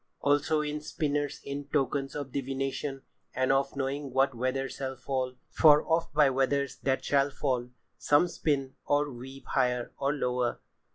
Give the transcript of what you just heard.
"Also in spinners be tokens of divination, and of knowing what weather shall fall—for oft by weathers that shall fall, some spin or weave higher or lower.